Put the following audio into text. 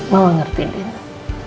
mama ngerti rena